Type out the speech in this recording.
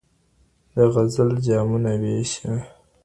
دغزل جامونه وېشي